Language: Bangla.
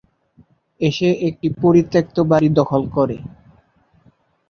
এসে একটি পরিত্যক্ত বাড়ি দখল করে।